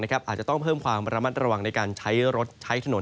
อาจจะต้องเพิ่มความระมัดระวังในการใช้รถใช้ถนน